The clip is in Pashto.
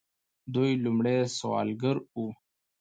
دوی لومړی سوداګر وو.